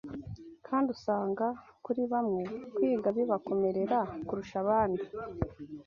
kandi usanga kuri bamwe kwiga bibakomerera kurusha abandi